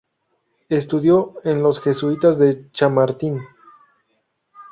Estudió en los jesuitas de Chamartín.